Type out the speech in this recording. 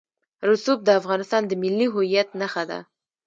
رسوب د افغانستان د ملي هویت نښه ده.